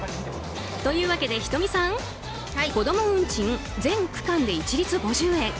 というわけでｈｉｔｏｍｉさん子ども運賃、全区間で一律５０円。